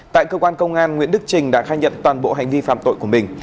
tại cơ quan công an nguyễn đức trình đã khai nhận toàn bộ hành vi phạm tội của mình